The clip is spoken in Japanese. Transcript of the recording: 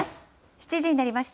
７時になりました。